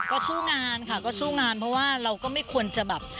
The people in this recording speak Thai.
ก็สู้งานค่ะก็สู้งานเพราะว่าเราก็ไม่ควรจะแบบ